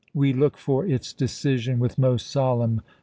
We look for its decision with most solemn paedia